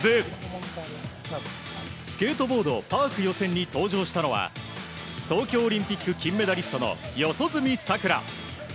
スケートボード・パーク予選に登場したのは東京オリンピック金メダリストの四十住さくら。